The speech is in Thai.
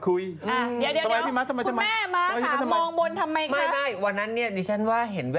อุ๊ยหรอละแล้ว